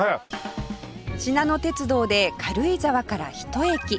しなの鉄道で軽井沢からひと駅